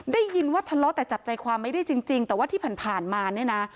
ได้ยินว่าทะเลาะแต่จับใจความไม่ได้จริงแต่ว่าที่ผ่านมาเนี่ยนะ